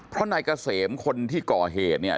เพราะนายเกษมคนที่ก่อเหตุเนี่ย